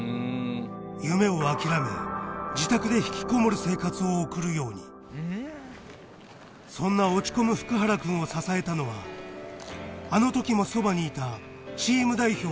夢を諦め自宅で引きこもる生活を送るようにそんな落ち込む福原くんを支えたのはあの時もそばにいたチーム代表